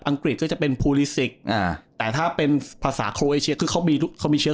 อังกฤษก็จะเป็นอ่าแต่ถ้าเป็นภาษาคือเขามีดูเขามีเชื้อ